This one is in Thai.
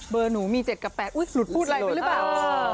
เบอร์หนูมี๗กับ๘หลุดพูดอะไรไปหรือเปล่า